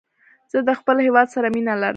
زه د خپل هېواد سره مینه لرم.